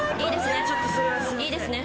いいですね？